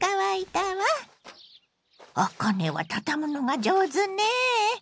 あかねは畳むのが上手ね。